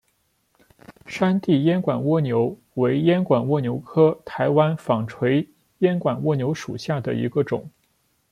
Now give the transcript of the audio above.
山地烟管蜗牛为烟管蜗牛科台湾纺锤烟管蜗牛属下的一个种。